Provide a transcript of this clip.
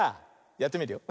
やってみるよ。